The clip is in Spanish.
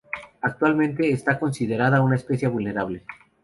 Actualmente está considerada una especie vulnerable.